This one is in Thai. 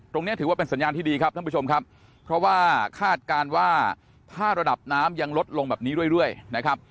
ถือว่าเป็นสัญญาณที่ดีครับท่านผู้ชมครับเพราะว่าคาดการณ์ว่าถ้าระดับน้ำยังลดลงแบบนี้เรื่อยนะครับ